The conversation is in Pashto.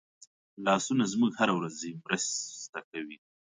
لاسونه زموږ هره ورځي مرسته کوي